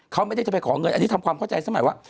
เขาไม่ได้จะไปขอเงินอันนี้ทำความเข้าใจสมัยว่า